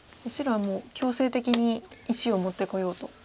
白はもう強制的に石を持ってこようと。